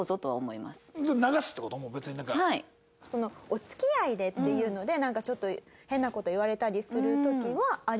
お付き合いでっていうのでなんかちょっと変な事言われたりする時はありました。